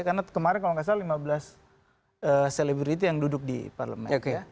karena kemarin kalau gak salah lima belas celebrity yang duduk di parlemen